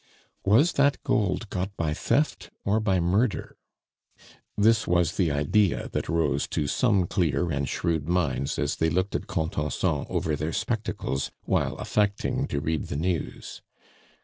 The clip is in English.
"Was that gold got by theft or by murder?" This was the idea that rose to some clear and shrewd minds as they looked at Contenson over their spectacles, while affecting to read the news.